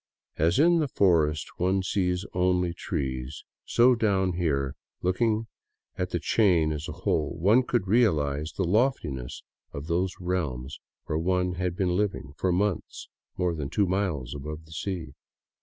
As in the forest one sees only trees, so only down here, looking at the chain as a whole, could one realize the loftiness of those realms where one had been living for months more than two miles above the sea.